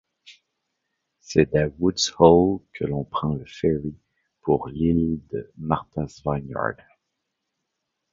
C'est à Woods Hole que l'on prend le ferry pour l'île de Martha's Vineyard.